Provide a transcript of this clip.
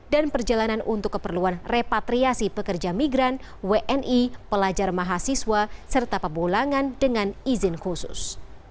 dan perjalanan untuk keperluan repatriasi pekerja migran wni pelajar mahasiswa serta pebulangan dengan izin khusus